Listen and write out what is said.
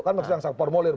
kan maksudnya saya formulir